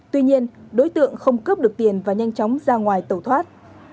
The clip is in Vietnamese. tuy nhiên đối tượng không cướp được tiền và nhanh chóng ra ngoài tẩu thoát